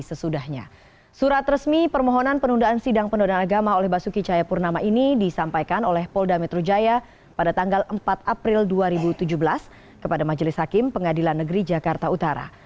sesudahnya surat resmi permohonan penundaan sidang penodaan agama oleh basuki cahayapurnama ini disampaikan oleh polda metro jaya pada tanggal empat april dua ribu tujuh belas kepada majelis hakim pengadilan negeri jakarta utara